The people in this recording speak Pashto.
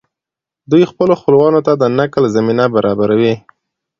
دوی خپلو خپلوانو ته د نقل زمینه برابروي